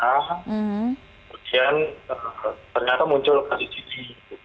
kemudian ternyata muncul kasus ini